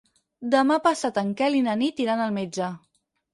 Demà passat en Quel i na Nit iran al metge.